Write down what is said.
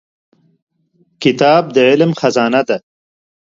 کتاب د علم خزانه ده.